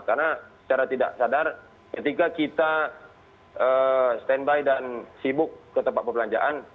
karena secara tidak sadar ketika kita standby dan sibuk ke tempat perbelanjaan